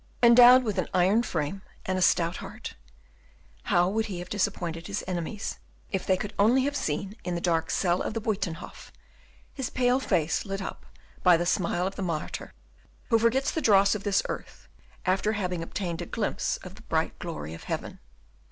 Endowed with an iron frame and a stout heart, how would he have disappointed his enemies if they could only have seen, in the dark cell of the Buytenhof, his pale face lit up by the smile of the martyr, who forgets the dross of this earth after having obtained a glimpse of the bright glory of heaven.